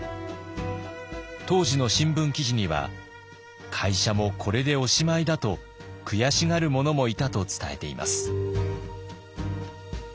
当時の新聞記事には会社もこれでおしまいだと悔しがる者もいたと伝えています。